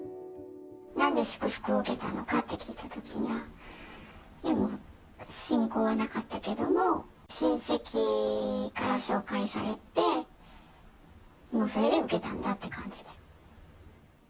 なんで祝福を受けたのかって聞いたときは、信仰はなかったけども、親戚から紹介されて、それで受けたんだって感じで。